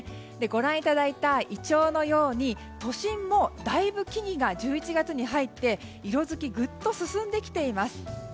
ご覧いただいたイチョウのように都心も、だいぶ木々が１１月に入って色づきグッと進んできています。